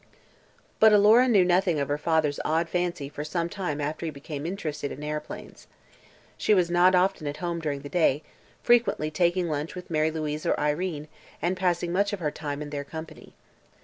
But Alora knew nothing of her father's odd fancy for some time after he became interested in aeroplanes. She was not often at home during the day, frequently taking lunch with Mary Louise or Irene and passing much of her time in their company.